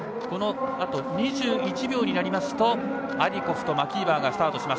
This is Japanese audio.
このあと２１秒になりますとアディコフとマキーバーがスタート。